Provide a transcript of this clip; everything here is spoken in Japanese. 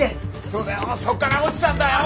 そうだよそっから落ちたんだよ。